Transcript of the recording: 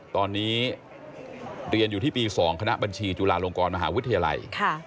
ตอนนี้เรียนอยู่ที่ปี๒คณะบัญชีจุฬาลงกรมหาวิทยาลัย